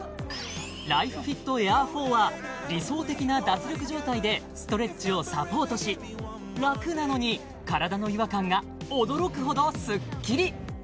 ライフフィットエアー４は理想的な脱力状態でストレッチをサポートし楽なのに体の違和感が驚くほどスッキリ！